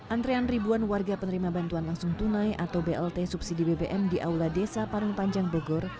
antrean ribuan warga penerima bantuan langsung tunai atau blt subsidi bbm di aula desa parung panjang bogor